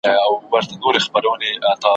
انسان کېښوده ماڼی د لمر په وړانگو